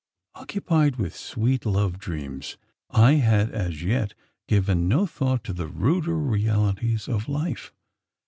Occupied with sweet love dreams, I had as yet given no thought to the ruder realities of life.